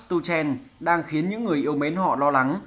thomas tuchel đang khiến những người yêu mến họ lo lắng